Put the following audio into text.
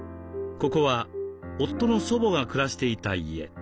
ここは夫の祖母が暮らしていた家。